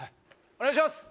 お願いします！